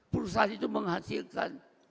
perusahaan itu menghasilkan